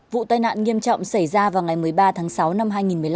vụ tai nạn nghiêm trọng xảy ra vào ngày một mươi ba tháng sáu năm hai nghìn một mươi năm